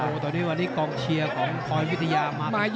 หัววันนี้กรองเชียร์ของพรวยวิทยามากกันเยอะ